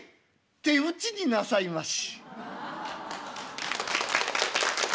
手うちになさいまし」。